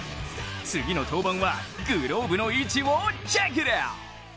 次の登板はグローブの位置をチェキラ！